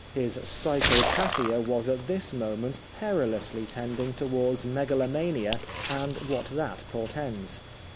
His psychopathia was at this moment perilously tending towards megalomania and what that portends.